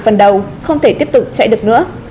phần đầu không thể tiếp tục chạy được nữa